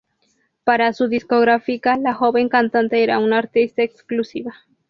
Para su discográfica la joven cantante era una artista exclusiva.